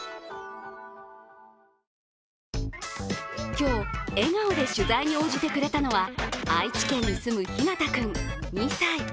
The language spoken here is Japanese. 今日、笑顔で取材に応じてくれたのは愛知県に住む、ひなた君、２歳。